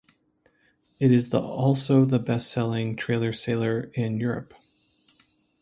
It is the also the best selling trailer sailer in Europe.